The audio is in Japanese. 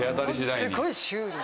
すごいシュール。